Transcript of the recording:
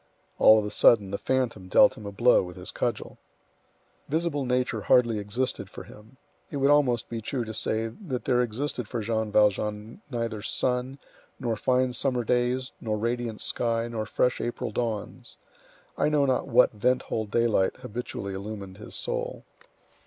All of a sudden the phantom dealt him a blow with his cudgel. Visible nature hardly existed for him. It would almost be true to say that there existed for Jean Valjean neither sun, nor fine summer days, nor radiant sky, nor fresh April dawns. I know not what vent hole daylight habitually illumined his soul.